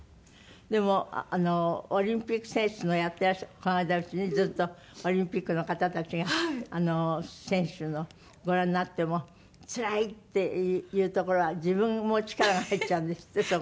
でもオリンピック選手のやっていらっしゃるこの間うちにずっとオリンピックの方たちが選手のご覧になってもつらいっていうところは自分も力が入っちゃうんですって？